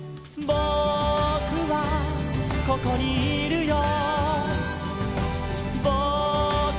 「ぼくはここにいるよ」